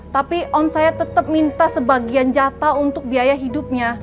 tapi on saya tetap minta sebagian jatah untuk biaya hidupnya